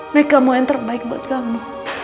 mereka mau yang terbaik buat kamu